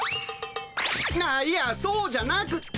あいやそうじゃなくって。